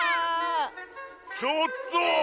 ちょっと！